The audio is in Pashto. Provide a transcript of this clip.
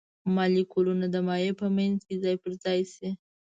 مالیکولونه د مایع په منځ کې ځای پر ځای شي.